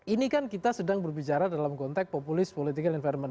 ini kan kita sedang berbicara dalam konteks populis political environment